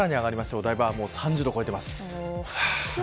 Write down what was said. お台場は３０度を超えています。